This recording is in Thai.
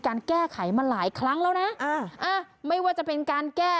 การแก้ไขมาหลายครั้งแล้วนะอ่าอ่าไม่ว่าจะเป็นการแก้